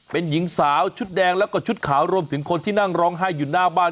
เป็นหญิงสาวชุดแดงแล้วก็ชุดขาวรวมถึงคนที่นั่งร้องไห้อยู่หน้าบ้าน